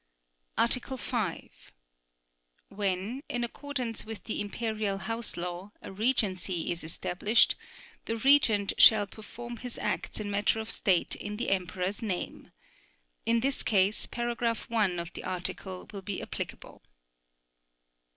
Article 5. When, in accordance with the Imperial House law, a Regency is established, the Regent shall perform his acts in matter of state in the Emperor's name. In this case, paragraph one of the article will be applicable.